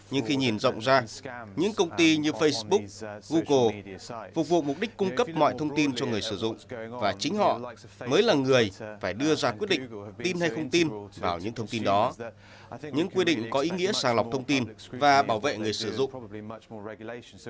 nhưng khi nhìn rộng ra những công ty như facebook google phục vụ mục đích cung cấp mọi thông tin cho người sử dụng và chính họ mới là người phải đưa ra quyết định tin hay không tin vào những thông tin đó những quy định có ý nghĩa sàng lọc thông tin và bảo vệ người sử dụng